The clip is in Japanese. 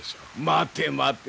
待て待て。